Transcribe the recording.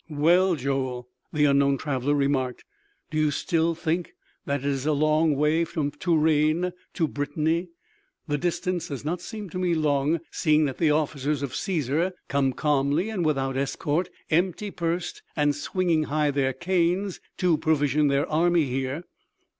"Well, Joel," the unknown traveler remarked, "do you still think that it is a long way from Touraine to Britanny? The distance does not seem to me long, seeing that the officers of Cæsar come calmly and without escort, empty pursed and swinging high their canes, to provision their army here."